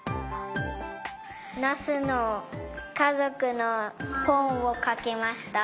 ナスのかぞくの本をかきました。